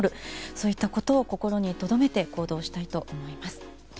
そういったことを心にとどめて行動したいと思います。